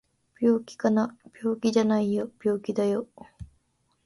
病気かな？病気じゃないよ病気だよ